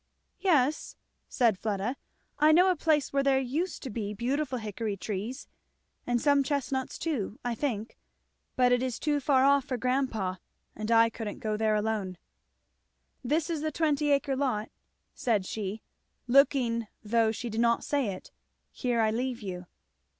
"Yes," said Fleda, "I know a place where there used to be beautiful hickory trees, and some chestnuts too, I think; but it is too far off for grandpa, and I couldn't go there alone. This is the twenty acre lot," said she, looking though she did not say it, "Here I leave you."